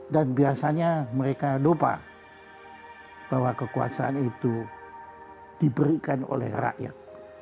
dan biasanya mereka lupa bahwa kekuasaan itu diberikan oleh rakyat